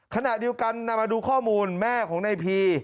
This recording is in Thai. ขณะเดียวกันนำมาดูข้อมูลแม่ของนายพี